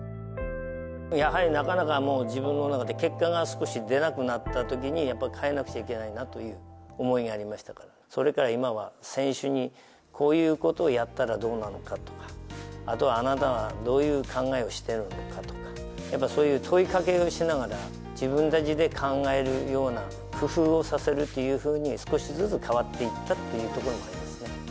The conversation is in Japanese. やはり、なかなか自分の中でもう結果が少しでなくなったときに、やっぱり変えなくちゃいけないなという思いがありましたから、それから今は、選手にこういうことをやったらどうなのかとか、あとあなたはどういう考えをしているのかとか、やっぱそういう問いかけをしながら、自分たちで考えるような、工夫をさせるっていうふうに、少しずつ変わっていったっていうところがありますね。